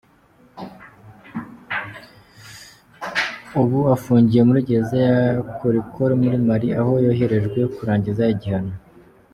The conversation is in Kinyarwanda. Ubu afungiye muri gereza ya Koulikoro muri Mali, aho yoherejwe kurangiriza igihano.